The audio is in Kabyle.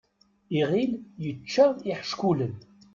Iɣil yečča iḥeckulen.